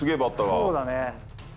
そうだね。